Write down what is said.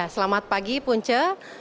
selamat pagi punche